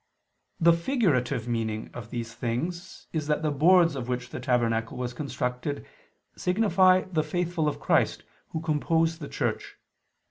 The figurative meaning of these things is that the boards of which the tabernacle was constructed signify the faithful of Christ, who compose the Church.